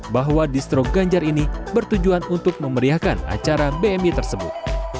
bahwa distro ganjar ini bertujuan untuk memeriahkan acara bmi tersebut